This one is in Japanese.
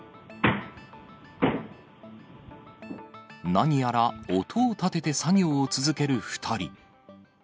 何やら音を立てて作業を続ける２人。